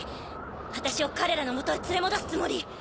私を彼らの元へ連れ戻すつもり？